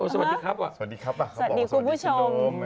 สวัสดีครับสวัสดีคุณผู้ชม